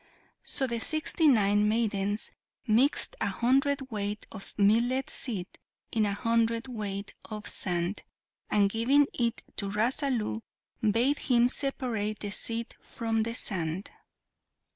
So the sixty nine maidens mixed a hundred weight of millet seed with a hundred weight of sand, and giving it to Rasalu, bade him separate the seed from the sand.